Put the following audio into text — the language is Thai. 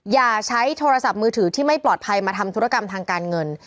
อย่าใช้โทรศัพท์มือถือที่ไม่ปลอดภัยมาทำธุรกรรมทางการเงิน